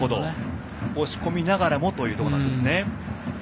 押し込みながらもということですね。